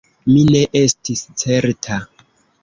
Mi ne estis certa.